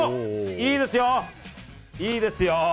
いいですよ！